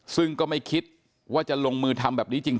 ซึ่งก็ไม่คิดว่าจะลงมือทำแบบนี้จริง